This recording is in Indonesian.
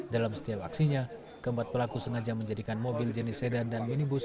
dalam setiap aksinya keempat pelaku sengaja menjadikan mobil jenis sedan dan minibus